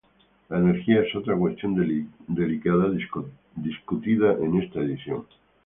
La energía es otra cuestión delicada discutida en esta edición.